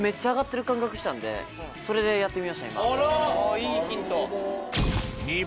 いいヒント。